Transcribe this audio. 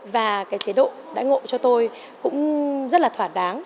và cái chế độ đại ngộ cho tôi cũng rất là thỏa đáng